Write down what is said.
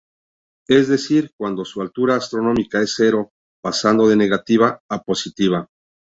Es decir, cuando su altura astronómica es cero pasando de negativa a positiva.